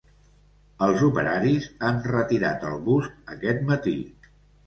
Els operaris han retirat el bust aquest matí